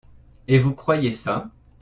Et vous croyez ça ?